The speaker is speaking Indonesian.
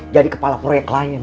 jadi kepala proyek klien